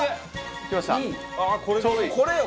これよ。